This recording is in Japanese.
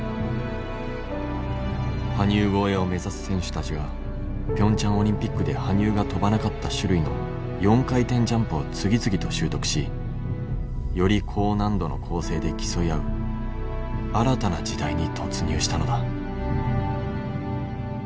羽生超えを目指す選手たちがピョンチャンオリンピックで羽生が跳ばなかった種類の４回転ジャンプを次々と習得しより高難度の構成で競い合う新たな時代に突入したのだ。